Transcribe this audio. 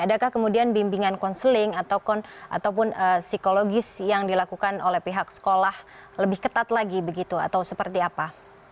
adakah kemudian bimbingan konseling ataupun psikologis yang dilakukan oleh pihak sekolah lebih ketat lagi begitu atau seperti apa